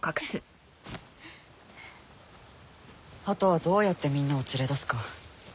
あとはどうやってみんなを連れ出すか。